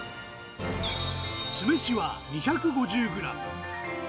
酢飯は２５０グラム。